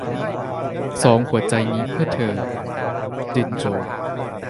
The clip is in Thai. สองหัวใจนี้เพื่อเธอ - จินโจว